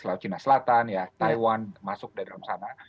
laut cina selatan ya taiwan masuk dari dalam sana